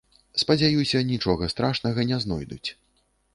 Спадзяюся, нічога страшнага не знойдуць.